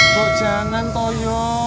kok jangan toyo